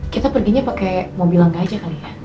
kita perginya pakai mobil langga aja kali ya